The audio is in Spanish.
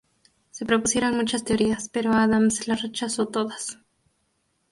Se propusieron muchas teorías, pero Adams las rechazó todas.